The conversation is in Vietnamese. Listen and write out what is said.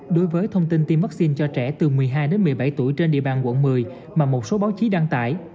đối với thông tin tiêm vaccine cho trẻ từ một mươi hai đến một mươi bảy tuổi trên địa bàn quận một mươi mà một số báo chí đăng tải